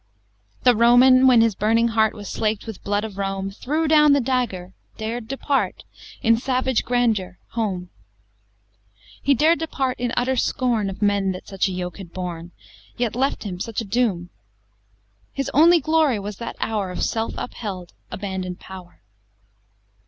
VII The Roman, when his burning heart Was slaked with blood of Rome, Threw down the dagger dared depart, In savage grandeur, home He dared depart in utter scorn Of men that such a yoke had borne, Yet left him such a doom! His only glory was that hour Of self upheld abandon'd power.